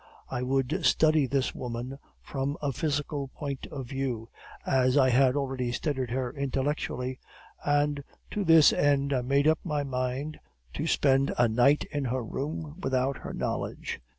I would study this woman from a physical point of view, as I had already studied her intellectually, and to this end I made up my mind to spend a night in her room without her knowledge.